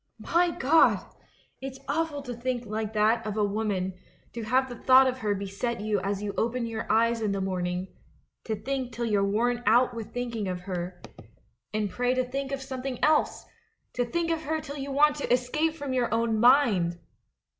"My God! it's awful to think like that of a woman — to have the thought of her beset you as you open your eyes in the morning; to think till you're worn out with thinking of her, and pray 196 THE MAN WHO UNDERSTOOD WOMEN to think of something else; to think of her till you want to escape from your own mind!